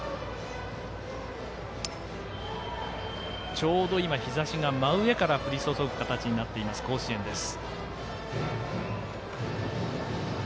ちょうど今、日ざしが真上から降り注ぐ形になっている甲子園です。